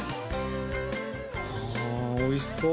あおいしそう。